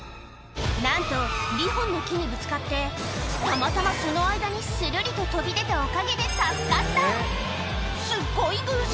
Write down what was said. なんと２本の木にぶつかってたまたまその間にするりと飛び出たおかげで助かったすっごい偶然！